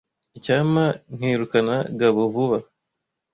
Icyampa nkirukana Gabo vuba.